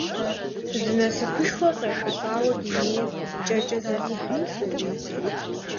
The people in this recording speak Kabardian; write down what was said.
Зы насыпышхуэ къехъулӀауэ дунейр кӀэкӀэ зэрихьэрт фызым.